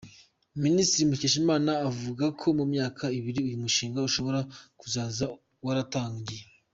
Minisitiri Mukeshimana avuga ko mu myaka ibiri uyu mushinga ushobora kuzaba waratangiye.